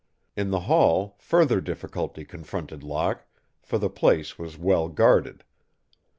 In the hall further difficulty confronted Locke, for the place was well guarded.